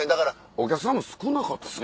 お客さんも少なかったですね